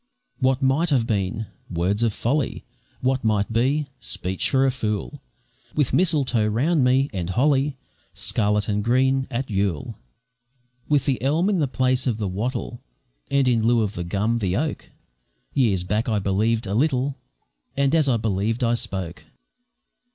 What might have been! words of folly; What might be! speech for a fool; With mistletoe round me, and holly, Scarlet and green, at Yule. With the elm in the place of the wattle, And in lieu of the gum, the oak, Years back I believed a little, And as I believed I spoke.